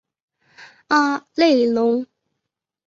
阿内龙。